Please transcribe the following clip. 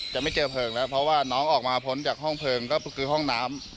จะไม่เจอเพลิงแล้วเพราะว่าน้องออกมาพ้นจากห้องเพลิงก็คือห้องน้ำ